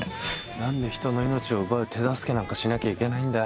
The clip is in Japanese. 何で人の命を奪う手助けなんかしなきゃいけないんだよ。